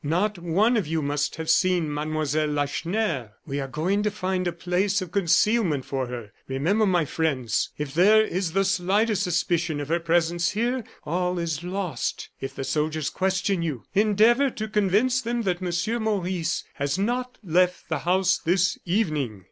Not one of you must have seen Mademoiselle Lacheneur. We are going to find a place of concealment for her. Remember, my friends, if there is the slightest suspicion of her presence here, all is lost. If the soldiers question you, endeavor to convince them that Monsieur Maurice has not left the house this evening."